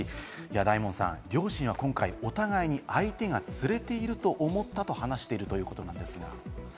大門さん、両親は今回、お互いに相手が連れていると思ったと話しているということなんですが。